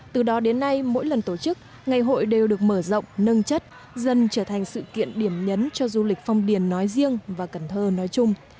từ đó đến nay mỗi lần tổ chức ngày hội đều được mở rộng nâng chất dần trở thành sự kiện điểm nhấn cho du lịch phong điền nói riêng và cần thơ nói chung